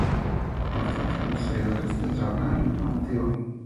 No obstante, los desarrolladores ya trabajan en uno nativo.